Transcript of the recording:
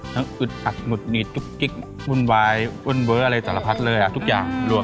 ทั้งอึดอัดหมุดหนีดจุ๊บกิ๊กวุ่นวายวุ่นเว้ออะไรสารพัดเลยอะทุกอย่างรวบ